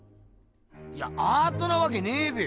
いやアートなわけねえべよ。